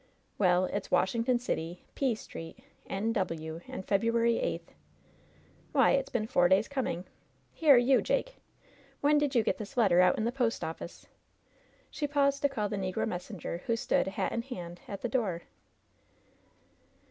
"Well, it's 'Washington City, P Street, K W., and February 8th.' Why, it's been four days coming. Hero you, Jake ! When did you get this letter out'n the i)ost oflSce?" She paused to call the negro messenger, who stood, hat in hand, at the door.